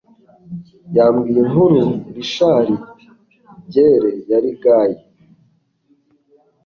Yambwiye inkuru Richard Gere yari gay